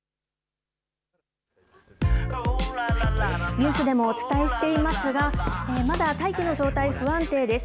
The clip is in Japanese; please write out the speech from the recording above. ニュースでもお伝えしていますが、まだ大気の状態、不安定です。